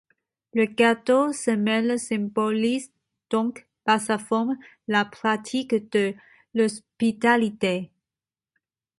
Le gâteau-semelle symbolise donc, par sa forme, la pratique de l’hospitalité.